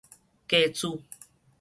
繼子